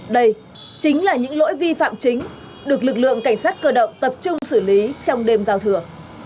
đây chính là những lỗi vi phạm chính được lực lượng cảnh sát cơ động tập trung xử lý trong đêm giao thừa